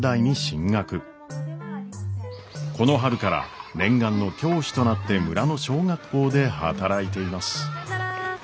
この春から念願の教師となって村の小学校で働いています。